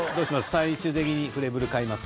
最終的にフレブル飼います？